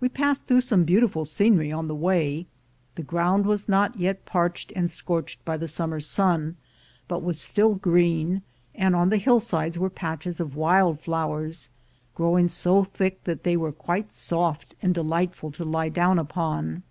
We passed through some beautiful scenery on the way. The ground was not yet parched and scorched by the summer sun, but was still green, and on the hillsides were patches of wild flowers growing so thick that they were quite soft and delightful to lie down upon.